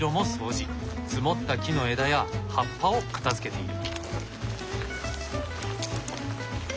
積もった木の枝や葉っぱを片づけている。